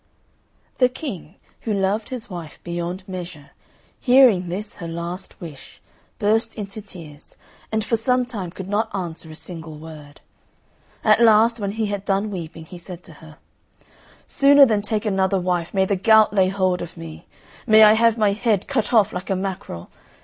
The King, who loved his wife beyond measure, hearing this her last wish, burst into tears, and for some time could not answer a single word. At last, when he had done weeping, he said to her, "Sooner than take another wife may the gout lay hold of me; may I have my head cut off like a mackerel!